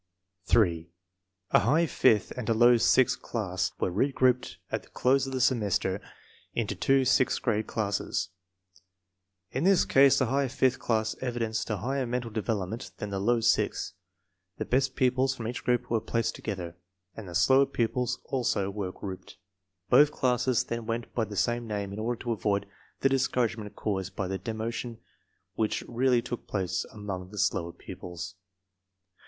8. A high fifth and a low sixth class were re grouped at the close of the semester into two sixth grade classes. In this case the high fifth class evidenced a higher mental development than the low sixth. The best pupils from each group were placed together, and the slower pupils also were grouped. Both classes then went by the same name in order to avoid the discourage ment caused by the demotion which really took place among the slower pupils.